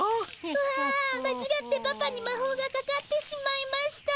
わん間違ってパパにまほうがかかってしまいました。